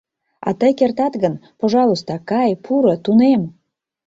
А тый кертат гын, пожалуйста, кай, пуро, тунем.